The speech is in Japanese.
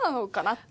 って。